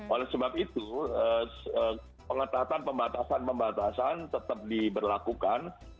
oleh sebab itu pengetatan pembatasan pembatasan tetap diberlakukan